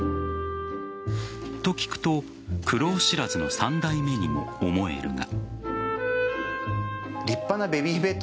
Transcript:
と、聞くと苦労知らずの３代目にも思えるが。